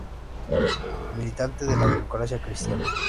Militante de la Democracia Cristiana.